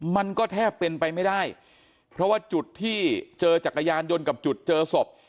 มันก็แทบเป็นไปไม่ได้เพราะว่าจุดที่เจอจักรยานยนต์กับจุดเจอศพ